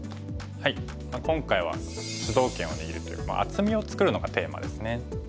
今回は主導権を握るという厚みを作るのがテーマですね。